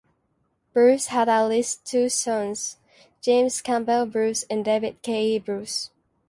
Bruce had at least two sons, James Cabell Bruce and David K. E. Bruce.